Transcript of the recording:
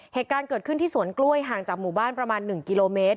เหตุการณ์เกิดขึ้นที่สวนกล้วยห่างจากหมู่บ้านประมาณ๑กิโลเมตร